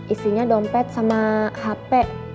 isinya dompet sama hp